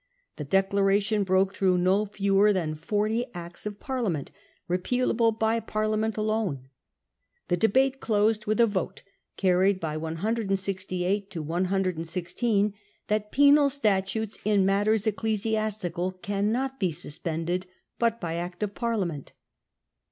The Declaration broke through no fewer than forty Acts of Parliament, repealable by Parliament alone. The debate closed with a vote, carried by 168 to 116, that ' Penal statutes in matters ecclesiastical cannot be sus pended but by Act of Parliament.